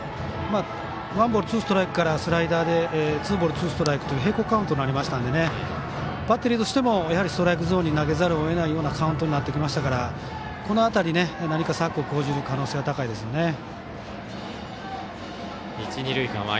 ワンボールツーストライクからスライダーでツーボールツーストライクという並行カウントになりましたのでバッテリーとしてもストライクゾーンに投げざるを得ないカウントになってきましたからこの辺りで何か策を講じる可能性は高いですよね。